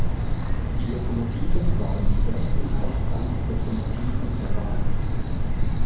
Die Lokomotiven waren die ersten Heißdampflokomotiven der Bahn.